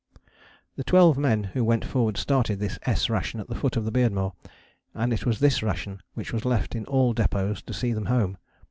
The twelve men who went forward started this S ration at the foot of the Beardmore, and it was this ration which was left in all depôts to see them home.